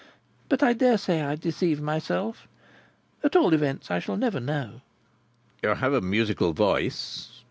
But I dare say I deceive myself. At all events, I shall never know." "You have a musical voice.